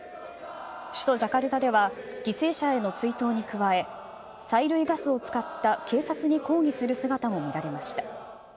首都ジャカルタでは犠牲者への追悼に加え催涙ガスを使った警察に抗議する姿も見られました。